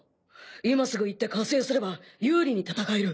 今すぐ行って加勢すれば有利に戦える。